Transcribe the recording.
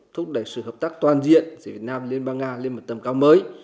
thúc đẩy sự hợp tác toàn diện giữa việt nam liên bang nga lên một tầm cao mới